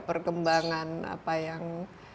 perkembangan apa yang